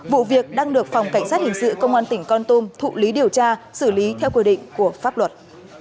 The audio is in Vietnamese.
vụ việc đang được phòng cảnh sát hình sự công an tỉnh con tum thụ lý điều tra xử lý theo quy định của pháp luật